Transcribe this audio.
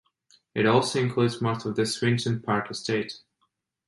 It also includes most of the Swinton Park Estate.